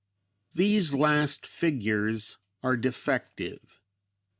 These last figures are defective.